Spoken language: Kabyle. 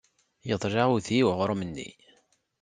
Yeḍla udi i weɣrum-nni.